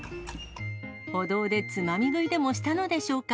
歩道でつまみ食いでもしたのでしょうか。